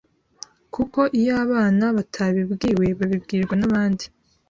kuko iyo abana batabibwiwe babibwirwa n'abandi